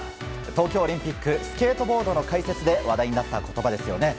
東京オリンピックスケートボードの解説で話題になった言葉ですよね。